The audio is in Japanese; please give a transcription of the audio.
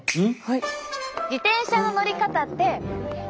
自転車の乗り方って皆さん